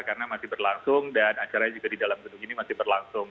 karena masih berlangsung dan acaranya juga di dalam gedung ini masih berlangsung